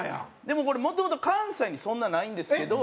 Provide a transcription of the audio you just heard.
でもこれもともと関西にそんなないんですけど。